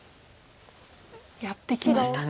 やってきましたね。